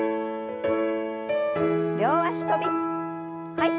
はい。